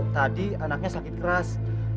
tadi anaknya sakit keras